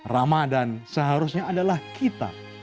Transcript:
ramadhan seharusnya adalah kita